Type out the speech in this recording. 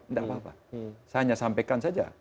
enggak apa apa saya hanya sampaikan saja